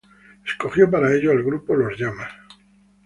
Escogió para ello al grupo Los Llamas.